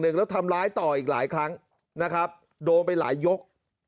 แล้วทำร้ายต่ออีกหลายครั้งนะครับโดนไปหลายยก